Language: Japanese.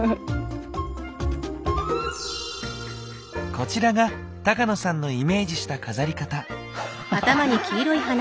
こちらが高野さんのイメージした飾り方。